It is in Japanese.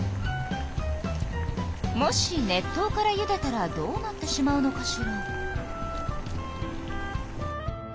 もし熱湯からゆでたらどうなってしまうのかしら？